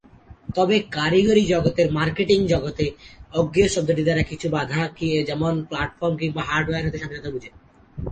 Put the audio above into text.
তবে কারিগরি জগৎ এবং মার্কেটিং জগতে "অজ্ঞেয়" শব্দটি দ্বারা কিছু বাঁধা; যেমনঃ প্ল্যাটফর্ম কিংবা হার্ডওয়্যার হতে স্বাধীনতা বুঝায়।